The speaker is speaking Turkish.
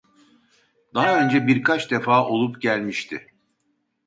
Daha önce birkaç defa olup gelmişti